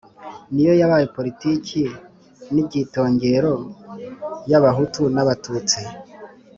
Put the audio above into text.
niyo yabaye politiki n’igitongero ya abahutu n’abatutsi